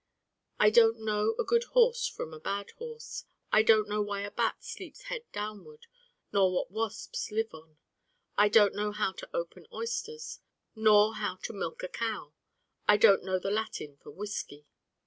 I Don't Know a good horse from a bad horse: I don't know why a bat sleeps head downward, nor what wasps live on: I don't know how to open oysters, nor how to milk a cow: I don't know the Latin for 'whiskey.